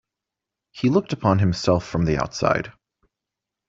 He looked upon himself from the outside.